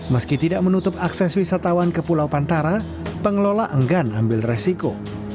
meski tidak menutup akses wisatawan ke pulau pantara pengelola enggan ambil resiko